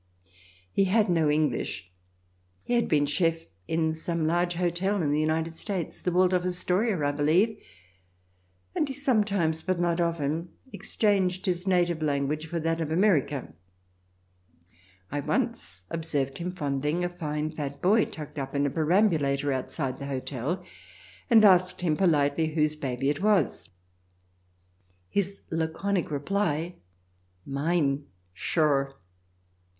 He had no English ; he had been chef in some large hotel in the United States — the Waldorf Astoria, I believe — and he sometimes, but not often, exchanged his native language for that of America, I once observed him fondling a fine, fat boy, tucked up in a perambulator outside the hotel, and asked him politely whose baby it was. His laconic reply, " Mine ! Sure